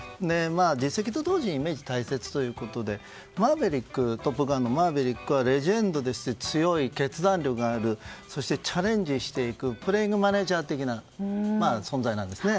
実績と同時にイメージが大切ということで「トップガン」のマーヴェリックはレジェンドで強い決断力があるそしてチャレンジしていくプレイングマネージャー的な存在なんですね。